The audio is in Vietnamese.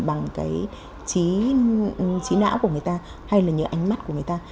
bằng cái trí não của người ta hay là những ánh mắt của người ta